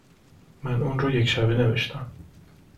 من اون رو یک شبه نوشتم